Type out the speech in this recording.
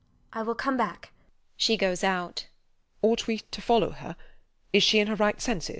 I will come back. [She goes out]. WALPOLE. Ought we to follow her? Is she in her right senses?